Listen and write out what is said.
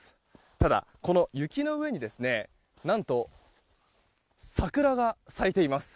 ただ、この雪の上に何と、桜が咲いています。